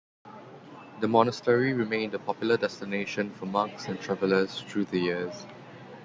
The monastery remained a popular destination for monks and travelers through the years.